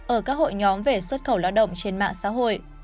ở các hội nhóm về xuất khẩu lao động trên mạng xã hội